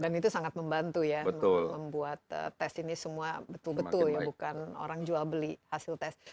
dan itu sangat membantu ya membuat test ini semua betul betul bukan orang jual beli hasil test